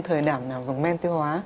thời điểm nào dùng men tiêu hóa